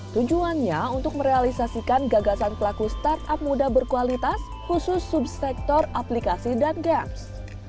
tujuannya untuk merealisasikan gagasan pelaku startup muda berkualitas khusus subsektor aplikasi dan games